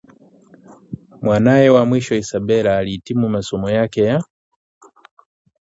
Mwanae wa mwisho Isabela alihitimu masomo yake ya